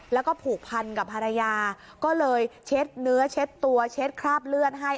แล้วก็ผูกพันกับภรรยาก็เลยเช็ดเนื้อเช็ดตัวเช็ดคราบเลือดให้